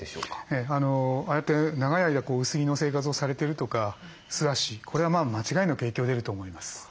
ええ。ああやって長い間薄着の生活をされてるとか素足これは間違いなく影響出ると思います。